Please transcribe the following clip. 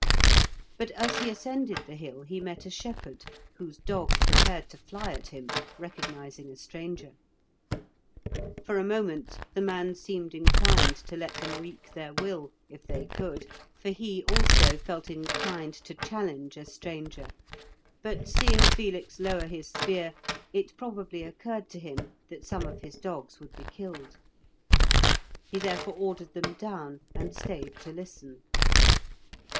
But as he ascended the hill he met a shepherd, whose dogs prepared to fly at him, recognising a stranger. For a moment the man seemed inclined to let them wreak their will, if they could, for he also felt inclined to challenge a stranger, but, seeing Felix lower his spear, it probably occurred to him that some of his dogs would be killed. He therefore ordered them down, and stayed to listen.